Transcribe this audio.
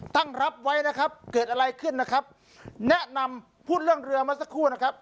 ตั้งรับไว้นะครับเกิดอะไรขึ้นนะครับแนะนำพูดเรื่องเรือมาสักครู่นะครับ